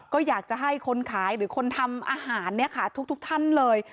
ก็อยากจะให้คนขายหรือคนทำอาหารเนี่ยค่ะทุกท่านเลย